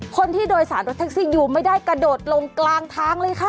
ผู้โดยสารรถแท็กซี่อยู่ไม่ได้กระโดดลงกลางทางเลยค่ะ